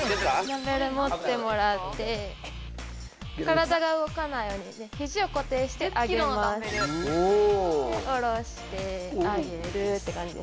ダンベル持ってもらって体が動かないように肘を固定して上げます下ろして上げるって感じです